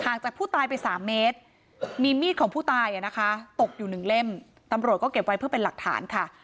จากผู้ตายไป๓เมตรมีมีดของผู้ตายนะคะตกอยู่หนึ่งเล่มตำรวจก็เก็บไว้เพื่อเป็นหลักฐานค่ะ